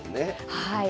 はい。